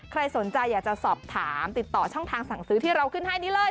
ใครสนใจอยากจะสอบถามติดต่อช่องทางสั่งซื้อที่เราขึ้นให้นี้เลย